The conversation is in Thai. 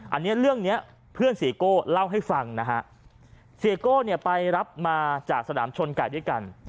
อันนี้เรื่องเนี้ยเพื่อนเสียโก้เล่าให้ฟังนะฮะเสียโก้เนี่ยไปรับมาจากสนามชนไก่ด้วยกัน